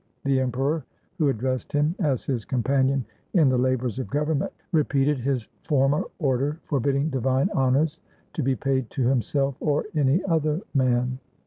The emperor, who ad dressed him as his "companion in the labors of govern ment," repeated his former order forbidding divine honors to be paid to himself or any other man.